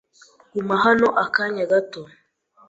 Guma hano akanya gato.